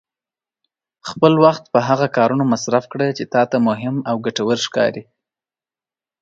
خپل وخت په هغه کارونو مصرف کړه چې تا ته مهم او ګټور ښکاري.